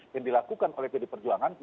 yang dilakukan oleh pd perjuangan